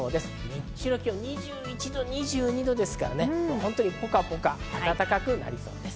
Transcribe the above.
日中の気温２１度、２２度ですから、ポカポカ暖かくなりそうです。